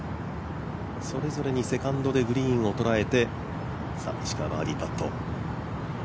それぞれにセカンドでグリーンを捉えて石川、バーディーパット。